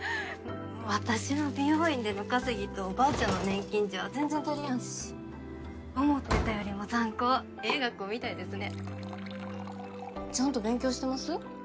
私の美容院での稼ぎとばあちゃんの年金じゃ全然足りやんし思ってたよりもザン高ええ学校みたいですねちゃんと勉強してます？